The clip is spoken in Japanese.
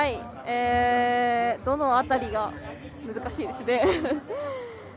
どの辺りが難しいですね。